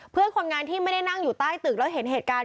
เพื่อนคนงานที่ไม่ได้นั่งอยู่ใต้ตึกแล้วเห็นเหตุการณ์